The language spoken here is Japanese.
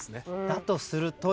だとするとよね。